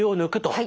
はい。